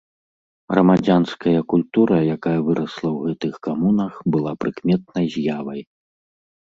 Грамадзянская культура, якая вырасла ў гэтых камунах была прыкметнай з'явай.